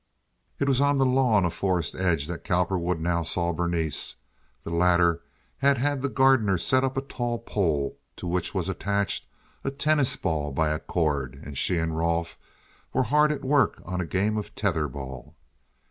It was on the lawn of Forest Edge that Cowperwood now saw Berenice. The latter had had the gardener set up a tall pole, to which was attached a tennis ball by a cord, and she and Rolfe were hard at work on a game of tether ball.